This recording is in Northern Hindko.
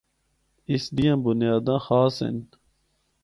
اس دیاں بنیاداں خاص ہن۔